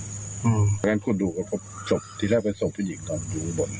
เพราะฉะนั้นคูดดูก็พบที่แรกเป็นสมผู้หญิงตอนอยู่บน